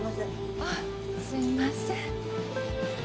あッすいません